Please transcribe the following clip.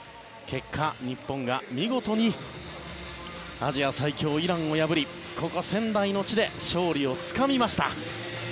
結果、日本が見事にアジア最強、イランを破りここ、仙台の地で勝利をつかみました。